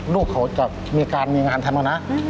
ลูกเขาจะมีงานทำแล้วนะ